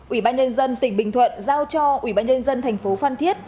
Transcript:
ủy ban nhân dân tỉnh bình thuận giao cho ủy ban nhân dân thành phố phan thiết